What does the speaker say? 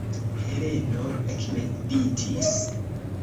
Heleno ekmeditis.